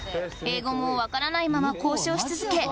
英語もわからないまま交渉し続け